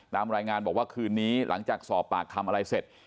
ตามรายงานบอกว่าคืนนี้หลังจากสอบปากคำอะไรเสร็จ